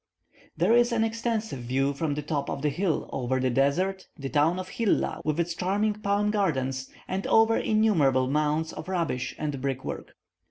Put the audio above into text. There is an extensive view from the top of the hill over the desert, the town of Hilla with its charming palm gardens, and over innumerable mounds of rubbish and brick work.